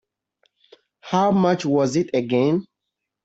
How much was it again?